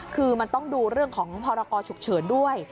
คือมันต้องดูเรื่องของพรกรฉุกเฉินด้วย